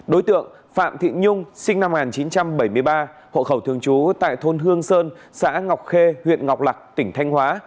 đối tượng phạm thị nhung sinh năm một nghìn chín trăm bảy mươi ba hộ khẩu thường trú tại thôn hương sơn xã ngọc khê huyện ngọc lạc tỉnh thanh hóa